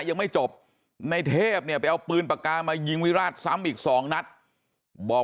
ยังไม่จบในเทพเนี่ยไปเอาปืนปากกามายิงวิราชซ้ำอีกสองนัดบอก